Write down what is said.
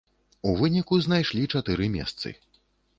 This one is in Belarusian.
У выніку знайшлі чатыры месцы.